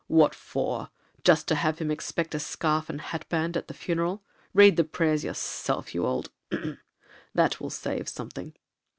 'What for,—just to have him expect a scarf and hat band at the funeral. Read the prayers yourself, you old ———; that will save something.'